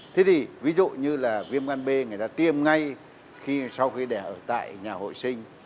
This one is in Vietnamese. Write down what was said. thế thì ví dụ như là viêm gan b người ta tiêm ngay khi sau khi đẻ ở tại nhà hội sinh